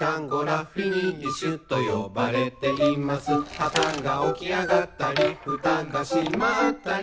「はたが起き上がったりふたが閉まったり」